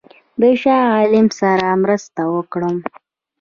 د شاه عالم سره مرسته وکړم.